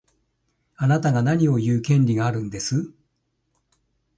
あなたが何を言う権利があるんです。